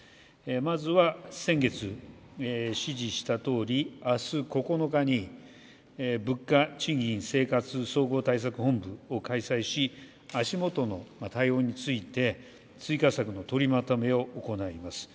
まずは先月、指示したとおり明日、９日に物価・賃金・総合対策本部を開催し足元の対応について追加策の取りまとめを行います。